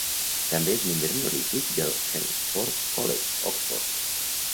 També és membre honorífic del Hertford College, Oxford.